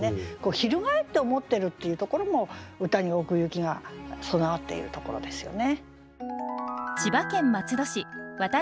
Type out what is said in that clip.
翻って思ってるっていうところも歌に奥行きが備わっているところですよね。